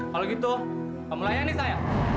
kalau gitu kamu melayani saya